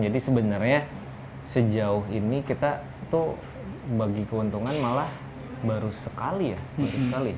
jadi sebenarnya sejauh ini kita tuh bagi keuntungan malah baru sekali